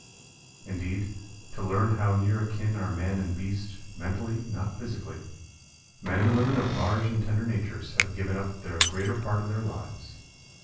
Indeed, to learn how near akin are man and beast, mentally, not physically, men and women of large and tender natures have given up the greater part of their lives.